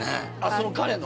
その彼の？